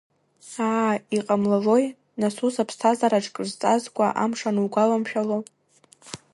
Аа, иҟамлалои, нас ус уԥсҭазаараҿ кыр зҵазкуа амш анугәаламшәало?